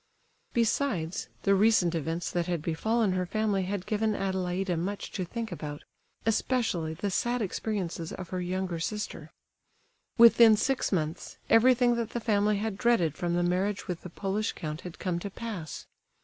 Besides, the recent events that had befallen her family had given Adelaida much to think about, especially the sad experiences of her younger sister. Within six months, everything that the family had dreaded from the marriage with the Polish count had come to pass.